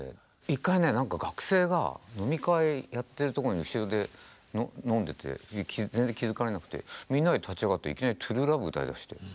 一回ね学生が飲み会やってるとこに後ろで飲んでて全然気付かれなくてみんなで立ち上がっていきなり「ＴＲＵＥＬＯＶＥ」を歌いだして。